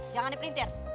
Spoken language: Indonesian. jangan di pelintir